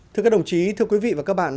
thưa các đồng chí thưa quý vị và các bạn